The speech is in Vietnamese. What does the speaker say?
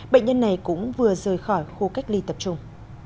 bệnh nhân này cũng vừa rời khỏi khu cách ly tập trung